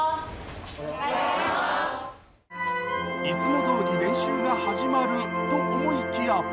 いつもどおり練習が始まると思いきや